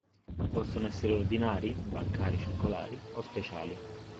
Possono essere ordinari (bancari, circolari) o speciali.